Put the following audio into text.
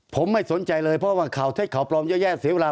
ผมไม่สนใจเลยเพราะว่าข่าวเท็จข่าวปลอมเยอะแยะเสียเวลา